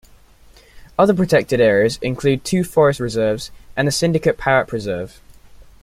Other protected areas include two Forest Reserves and the Syndicate Parrot Preserve.